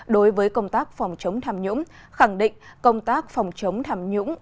đối với công tác phòng chống tham nhũng khẳng định công tác phòng chống tham nhũng